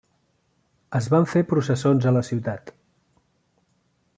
Es van fer processons a la ciutat.